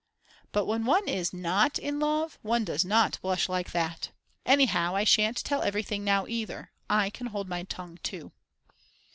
But when one is not in love one does not blush like that. Anyhow I shan't tell everything now either; I can hold my tongue too.